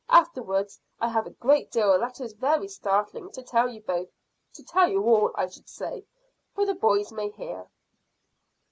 Afterwards I have a great deal that is very startling to tell you both to tell you all, I should say, for the boys may hear."